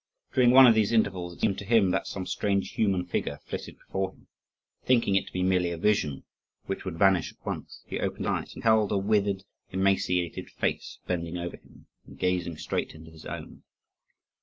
During one of these intervals it seemed to him that some strange human figure flitted before him. Thinking it to be merely a vision which would vanish at once, he opened his eyes, and beheld a withered, emaciated face bending over him, and gazing straight into his own.